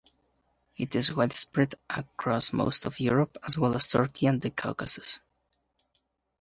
It is widespread across most of Europe, as well as Turkey and the Caucasus.